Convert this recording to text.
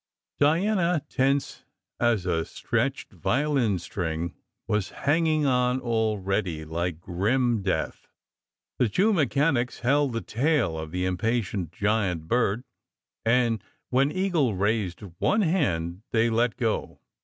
Diana, tense as a stretched violin string, was hanging on already, like grim death. The two mechanics held the tail of the impatient giant bird, and when Eagle raised one hand, they let go.